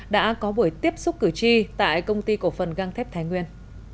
đã có buổi tiếp xúc cử tri tại công ty cổ phần găng thép thái nguyên